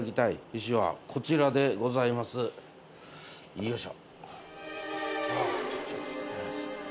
よいしょ。